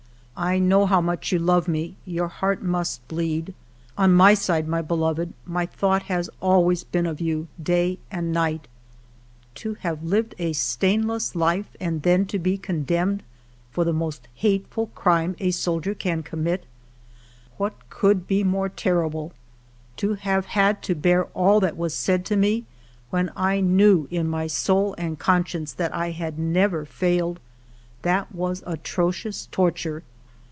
I know how much you love me. Your heart must bleed. On my side, my be loved, my thought has always been of you, day and night. " To have lived a stainless life, and then to be condemned for the most hateful crime a soldier 26 FIVE YEARS OF MY LIFE can commit! What could be more terrible? To have had to bear all that was said to me, when I knew in my soul and conscience that I had never failed, — that was atrocious torture.